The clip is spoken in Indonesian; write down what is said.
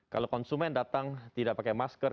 kalau konsumen datang tidak pakai masker